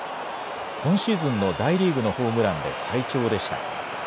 今シーズンの大リーグのホームランで最長でした。